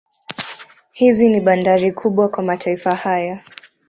Hizi ni bandari kubwa kwa mataifa haya